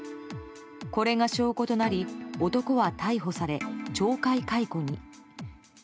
これが証拠となり男は逮捕され懲戒解雇に。